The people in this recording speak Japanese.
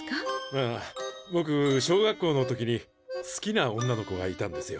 ああぼく小学校の時に好きな女の子がいたんですよ。